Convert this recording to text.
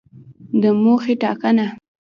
د موخې ټاکنه